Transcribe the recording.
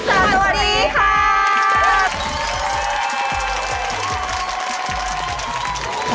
สวัสดีครับ